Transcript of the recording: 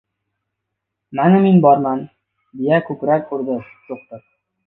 — Mana, men borman! — deya ko‘krak urdi do‘xtir.